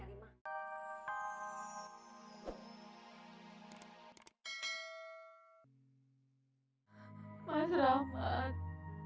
kartu gue lagi bagus